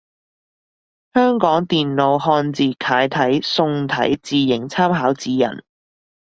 香港電腦漢字楷體宋體字形參考指引